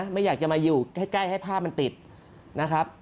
ไม่อยากจะมาอยู่ใกล้ให้ภาพมันติดนะครับ